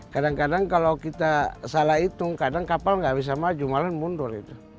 kadang kadang kalau kita salah hitung kadang kapal nggak bisa maju malah mundur